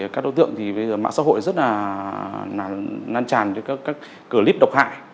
các đối tượng thì bây giờ mạng xã hội rất là nan tràn với các clip độc hại